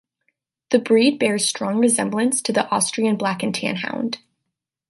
The breed bears strong resemblance to the Austrian Black and Tan Hound.